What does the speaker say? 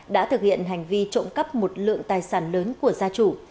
đã thực hiện hành vi trộm cắp một lượng tài sản lớn của gia chủ